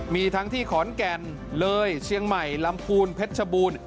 มีทั้งที่ขอนแก่นเลยเชียงใหม่ลำพูนเพชรชบูรณ์